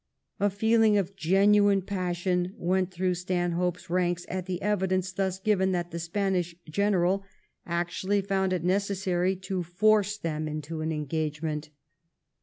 A feeling of genuine passion went through Stanhope's ranks at the evidence thus given that the Spanish general actually found it necessary to force them into an engagement.